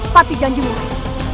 tepati janjimu lain